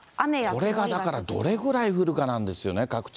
これがだから、どれぐらい降るかなんですよね、各地。